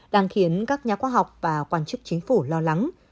đang khiến các nhà khoa học và quan chức chính phủ lo lắng